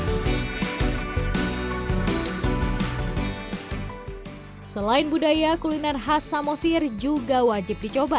hai selain budaya kuliner khas samosir juga wajib dicoba